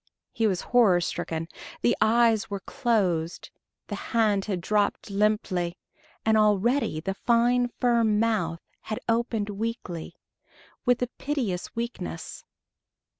He was horror stricken: the eyes were closed, the hand had dropped limply, and already the fine firm mouth had opened weakly, with a piteous weakness.